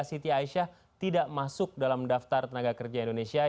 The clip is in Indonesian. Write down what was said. siti aisyah tidak masuk dalam daftar tenaga kerja indonesia